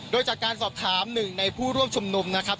โดยจากการสอบถามหนึ่งในผู้ร่วมชุมนุมนะครับ